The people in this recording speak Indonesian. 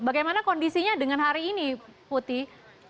bagaimana kondisinya dengan hari ini putih